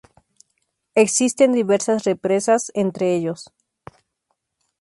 Existen diversas represas entre ellos.